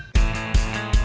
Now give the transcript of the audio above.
sebagai masyarakat tema